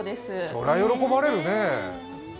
そりゃ喜ばれるねえ。